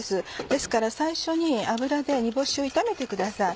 ですから最初に油で煮干しを炒めてください。